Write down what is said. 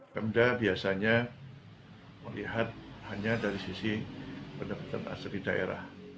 pemda biasanya melihat hanya dari sisi pendapatan asli daerah